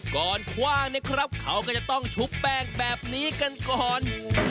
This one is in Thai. คว่างเนี่ยครับเขาก็จะต้องชุบแป้งแบบนี้กันก่อน